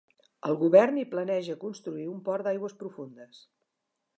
El govern hi planeja construir un port d'aigües profundes.